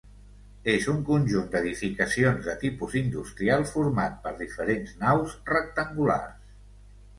És un conjunt d'edificacions de tipus industrial format per diferents naus rectangulars.